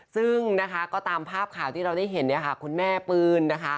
ซึ่งตามภาพข่าวที่เราได้เห็นคุณแม่ปืน